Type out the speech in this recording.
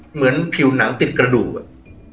เหมือนผิวหนังติดกระดูกอะ